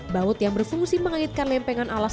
baut yang berfungsi mengaitkan lempengan alas